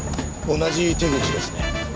同じ手口ですね。